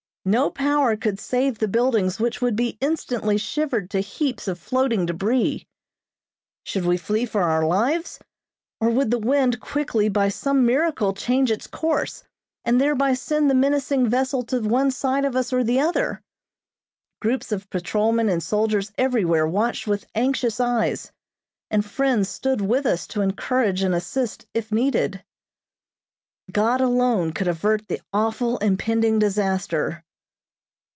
No power could save the buildings which would be instantly shivered to heaps of floating debris. Should we flee for our lives? Or would the wind, quickly, by some miracle, change its course, and thereby send the menacing vessel to one side of us or the other? Groups of patrolmen and soldiers everywhere watched with anxious eyes, and friends stood with us to encourage and assist if needed. God alone could avert the awful, impending disaster.